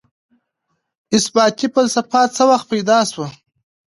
اثباتي فلسفه څه وخت پيدا سوه؟